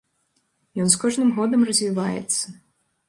Ён з кожным годам развіваецца.